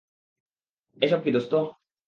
এসব কি দোস্ত?